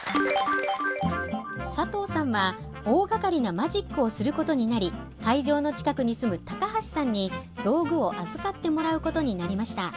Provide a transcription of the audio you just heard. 佐藤さんは大がかりなマジックをすることになり会場の近くに住む高橋さんに道具を預かってもらうことになりました。